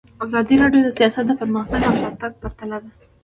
ازادي راډیو د سیاست پرمختګ او شاتګ پرتله کړی.